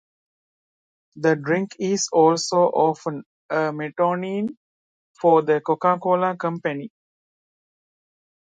The drink is also often a metonym for the Coca-Cola Company.